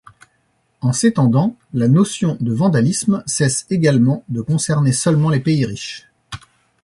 En s'étendant, la notion de vandalisme cesse également de concerner seulement les pays riches.